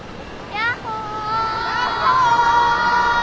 ヤッホー！